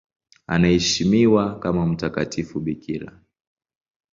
Anaheshimiwa kama mtakatifu bikira.